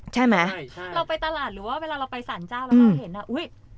ใช่ไหมใช่ค่ะเราไปตลาดหรือว่าเวลาเราไปสารเจ้าแล้วเราเห็นอ่ะอุ้ย